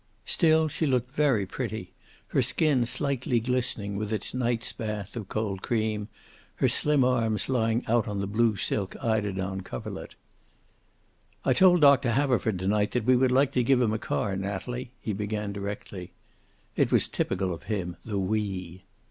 Still, she looked very pretty, her skin slightly glistening with its night's bath of cold cream, her slim arms lying out on the blue silk eiderdown coverlet. "I told Doctor Haverford to night that we would like to give him a car, Natalie," he began directly. It was typical of him, the "we."